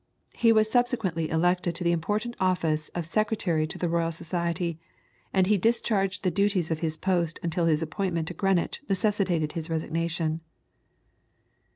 He was subsequently elected to the important office of secretary to the Royal Society, and he discharged the duties of his post until his appointment to Greenwich necessitated his resignation.